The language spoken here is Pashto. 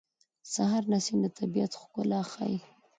د سهار نسیم د طبیعت ښکلا ښیي.